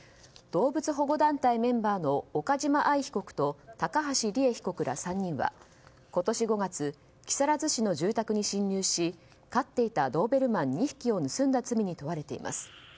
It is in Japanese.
動物保護団体メンバーの岡島愛被告と高橋里衣被告ら３人は今年５月木更津市の住宅に侵入し飼っていたドーベルマン２匹を盗んだ罪に問われています。